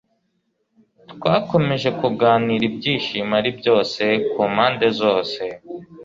Twakomeje kuganira ibyishimo ari byose kumpande zose